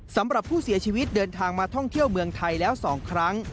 สำหรับผู้เสียชีวิตเดินทางมาท่องเที่ยวเมืองไทยแล้ว๒ครั้ง